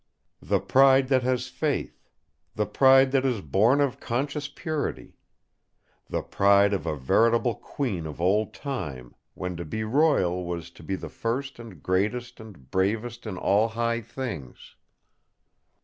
The pride that has faith; the pride that is born of conscious purity; the pride of a veritable queen of Old Time, when to be royal was to be the first and greatest and bravest in all high things.